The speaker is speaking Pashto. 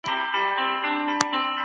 د شتمنو په مال کي د غریبانو حق ثابت دی.